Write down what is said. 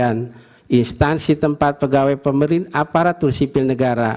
dan instansi tempat pegawai pemerintah aparatus sipil negara